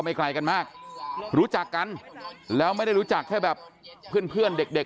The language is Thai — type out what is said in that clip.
ไม่ไกลกันมากรู้จักกันแล้วไม่ได้รู้จักแค่แบบเพื่อนเด็ก